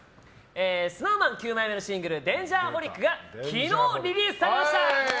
ＳｎｏｗＭａｎ９枚目のシングル「Ｄａｎｇｅｒｈｏｌｉｃ」が昨日リリースされました！